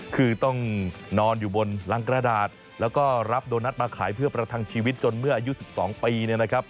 คือต้องนอนอยู่บนรังกระดาษแล้วก็รับโดนัทมาขายเพื่อประทังชีวิตจนเมื่ออายุ๑๒ปีเนี่ยนะครับ